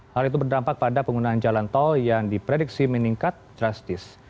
hal itu berdampak pada penggunaan jalan tol yang diprediksi meningkat drastis